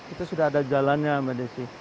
itu sudah ada jalannya mbak desi